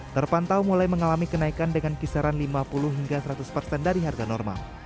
terpantau mulai mengalami kenaikan dengan kisaran lima puluh hingga seratus persen dari harga normal